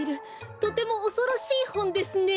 とてもおそろしいほんですね。